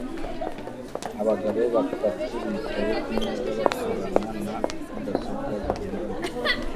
Abagabo batatu bicaye kumeza bakorana na mudasobwa zigendanwa